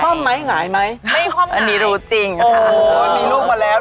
คว่ำไหมหงายไหมไม่คว่ำไหมอันนี้รู้จริงค่ะโอ้โฮมีลูกมาแล้ว